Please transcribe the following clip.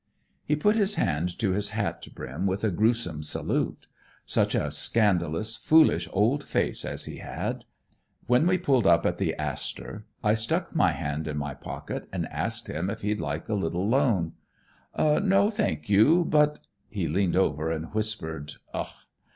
"He put his hand to his hat brim with a grewsome salute. Such a scandalous, foolish old face as he had! When we pulled up at the Astor, I stuck my hand in my pocket and asked him if he'd like a little loan. "'No, thank you, but' he leaned over and whispered, ugh!